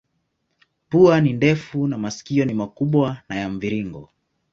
Pua ni ndefu na masikio ni makubwa na ya mviringo.